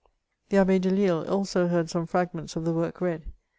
The Abbe Delille also heard some fragments of the work read.